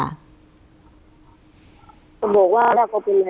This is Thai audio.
ก็บอกว่าถ้าเขาไปไหนไป